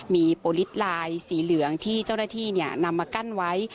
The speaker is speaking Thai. มีโปรลิสลายสีเหลืองที่เจ้าหน้าที่นำมากั้นไว้